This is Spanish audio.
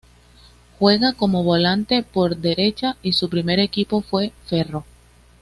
Juega como volante por derecha y su primer equipo fue Ferro.